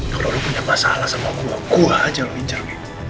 kalau lo punya masalah sama gue gue aja lo injur